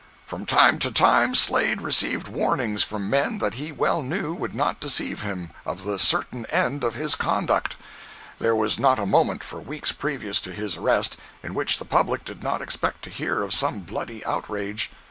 From time to time Slade received warnings from men that he well knew would not deceive him, of the certain end of his conduct. There was not a moment, for weeks previous to his arrest, in which the public did not expect to hear of some bloody outrage.